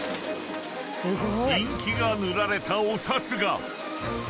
［インキが塗られたお札が］